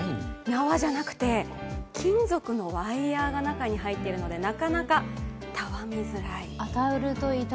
縄じゃなくて金属のワイヤーが中に入っているのでなかなかたわみづらい。